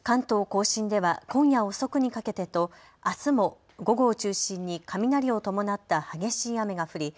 甲信では今夜遅くにかけてとあすも午後を中心に雷を伴った激しい雨が降り